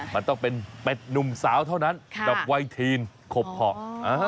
มันต้องเป็นเป็ดหนุ่มสาวเท่านั้นกับไวทีนขบเพาะ